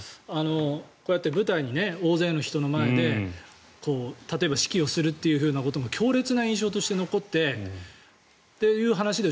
こうやって舞台に大勢の人の前で例えば、指揮をするということも強烈な印象として残ってという話で